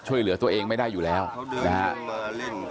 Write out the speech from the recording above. ช่วยเหลือตัวเองไม่ได้อยู่แล้วค่ะเขาเดินจมน้ำเล่น